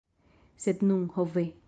Sed nun, ho ve!